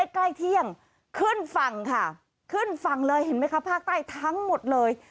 ใกล้เที่ยงขึ้นฝั่งค่ะขึ้นฝั่งเลยเห็นไหมคะภาคใต้ทั้งหมดเลย